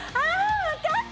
わかった！